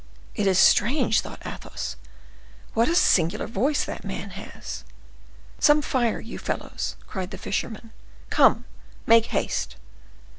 "It is strange!" thought Athos; "what a singular voice that man has!" "Some fire, you fellows!" cried the fisherman; "come, make haste!"